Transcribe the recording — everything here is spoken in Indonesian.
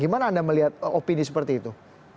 gimana anda melihat opini seperti itu